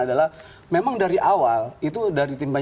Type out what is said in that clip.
adalah memang dari awal itu dari tim